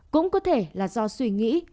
cũng có thể là do suy nghĩ